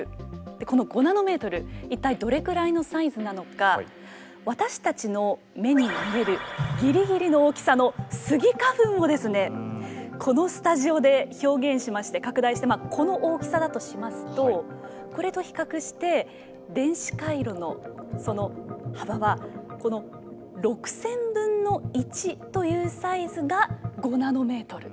この５ナノメートル一体どれぐらいのサイズなのか私たちの目に見えるぎりぎりの大きさのスギ花粉をこのスタジオで表現しまして拡大してこの大きさだとしますとこれと比較して電子回路の、その幅はこの６０００分の１というサイズが５ナノメートル。